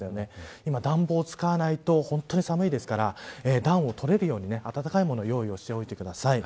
今、暖房を使わないと本当に寒いですから暖を取れるように暖かいものを用意をしておいてください。